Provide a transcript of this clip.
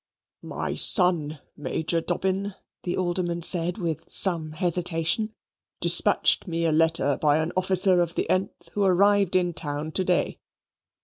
"My son, Major Dobbin," the Alderman said, with some hesitation, "despatched me a letter by an officer of the th, who arrived in town to day.